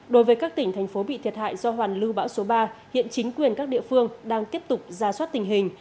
đối với các tỉnh thành phố bị thiệt hại do hoàn lưu bão số ba hiện chính quyền các địa phương đang tiếp tục ra soát tình hình